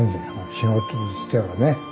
仕事としてはね。